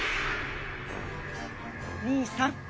兄さん。